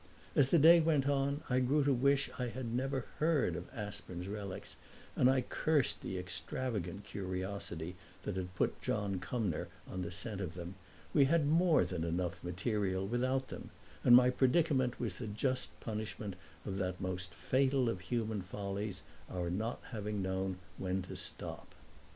As the day went on I grew to wish that I had never heard of Aspern's relics, and I cursed the extravagant curiosity that had put John Cumnor on the scent of them. We had more than enough material without them, and my predicament was the just punishment of that most fatal of human follies, our not having known when to stop.